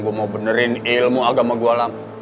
gua mau benerin ilmu agama gua lap